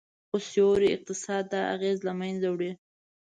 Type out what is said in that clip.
خو سیوري اقتصاد دا اغیز له منځه وړي